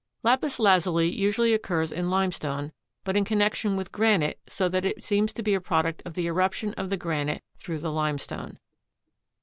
Lapis lazuli usually occurs in limestone but in connection with granite so that it seems to be a product of the eruption of the granite through the limestone.